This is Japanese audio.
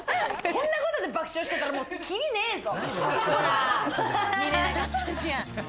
こんなことで爆笑してたらキリねえぞ。